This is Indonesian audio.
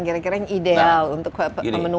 kira kira yang ideal untuk pemenuhan semua